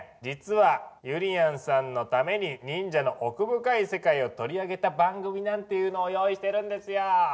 実はゆりやんさんのために忍者の奥深い世界を取り上げた番組なんていうのを用意してるんですよ。